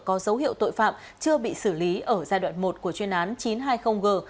có dấu hiệu tội phạm chưa bị xử lý ở giai đoạn một của chuyên án chín trăm hai mươi g